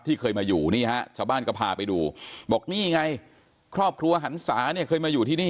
เคยมาอยู่นี่ฮะชาวบ้านก็พาไปดูบอกนี่ไงครอบครัวหันศาเนี่ยเคยมาอยู่ที่นี่